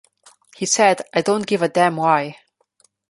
He said, I don't give a damn why.